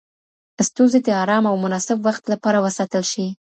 ستونزې د آرام او مناسب وخت لپاره وساتل شي.